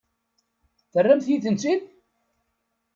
Terramt-iyi-tent-id?